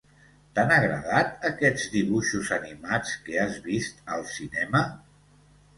T'han agradat, aquests dibuixos animats que has vist al cinema?